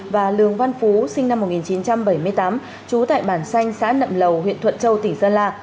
và lường văn phú sinh năm một nghìn chín trăm bảy mươi tám trú tại bản xanh xã nậm lầu huyện thuận châu tỉnh sơn la